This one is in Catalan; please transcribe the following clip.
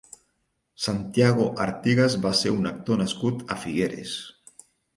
Santiago Artigas va ser un actor nascut a Figueres.